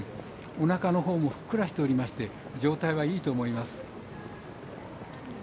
おなかのほうもふっくらしておりまして状態は、いいと思います。